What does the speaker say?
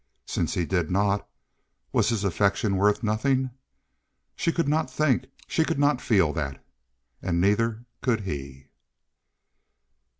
Since he did not, was his affection worth nothing? She could not think, she could not feel that. And neither could he.